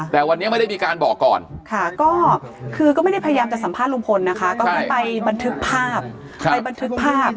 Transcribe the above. แต่วันนี้ไม่ได้มีการบอกก่อนคือก็ไม่ได้พยายามจะสัมภาษณ์ลุงพลนะคะก็ไม่ไปบันทึกภาพ